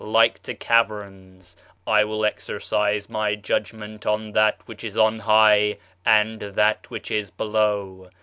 ... like to caverns ...... I will exercise my judgment on that which is on high and that which is below